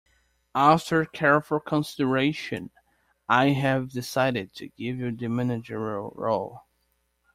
After careful consideration I have decided to give you the managerial role.